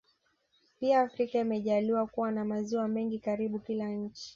Pia Afrika imejaliwa kuwa na maziwa mengi karibu kila nchi